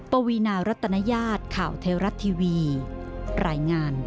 โปรดติดตามตอนต่อไป